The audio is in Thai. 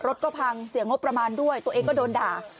รถก็พังเสียงงบประมาณด้วยตัวเองก็โดนด่า